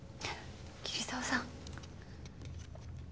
桐沢さん。